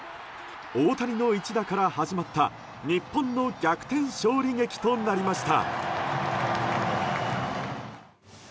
大谷の一打から始まった日本の逆転勝利劇となりました。